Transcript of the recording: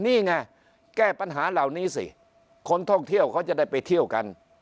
นี่ไงแก้ปัญหาเหล่านี้สิคนท่องเที่ยวเขาจะได้ไปเที่ยวกัน